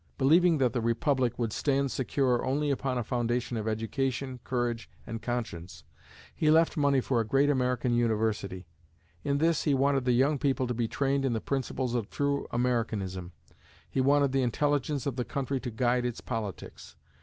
Believing that the Republic would stand secure only upon a foundation of education, courage and conscience, he left money for a great American University. In this, he wanted the young people to be trained in the principles of true Americanism. He wanted the intelligence of the country to guide its politics.